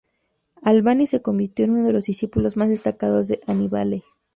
Albani se convirtió en uno de los discípulos más destacados de Annibale.